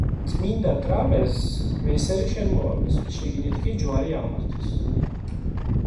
წმინდა ტრაპეზს მესერი შემოავლეს, შიგნით კი ჯვარი აღმართეს.